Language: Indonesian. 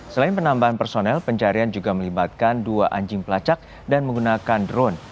selain penambahan personel pencarian juga melibatkan dua anjing pelacak dan menggunakan drone